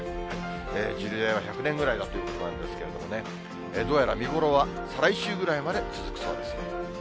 樹齢は１００年ぐらいだということなんですけれどもね、どうやら見頃は再来週ぐらいまで続くそうですよ。